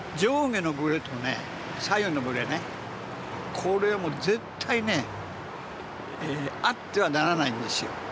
これは絶対ねあってはならないんですよ。